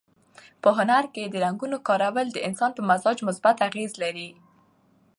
په هنر کې د رنګونو کارول د انسان په مزاج مثبت اغېز لري.